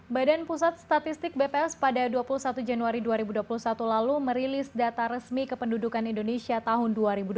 badan pusat statistik bps pada dua puluh satu januari dua ribu dua puluh satu lalu merilis data resmi kependudukan indonesia tahun dua ribu dua puluh